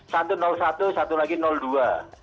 satu nol satu satu lagi nol dua